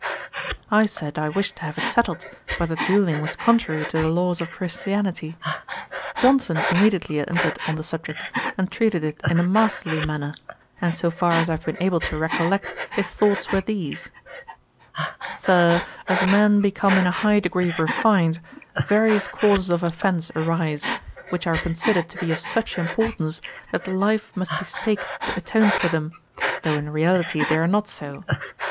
I said, I wished to have it settled, whether duelling was contrary to the laws of Christianity. Johnson immediately entered on the subject, and treated it in a masterly manner; and so far as I have been able to recollect, his thoughts were these: 'Sir, as men become in a high degree refined, various causes of offence arise; which are considered to be of such importance, that life must be staked to atone for them, though in reality they are not so.